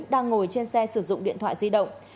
đang ngồi trên xe sử dụng điện thoại di động